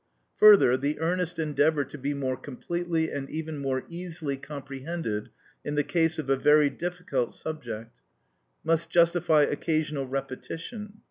Further, the earnest endeavour to be more completely and even more easily comprehended in the case of a very difficult subject, must justify occasional repetition.